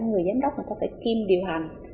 người giám đốc người ta phải kiêm điều hành